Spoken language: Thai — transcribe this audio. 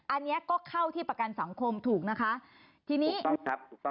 อันเนี้ยก็เข้าที่ประกันสังคมถูกนะคะถูกต้องครับถูกต้องครับ